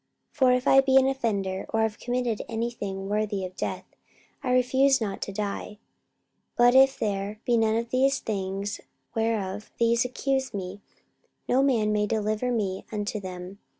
44:025:011 For if I be an offender, or have committed any thing worthy of death, I refuse not to die: but if there be none of these things whereof these accuse me, no man may deliver me unto them.